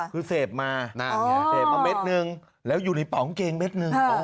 คือเสพมาเสพมาเม็ดนึงแล้วอยู่ในป๋องเกงเม็ดหนึ่ง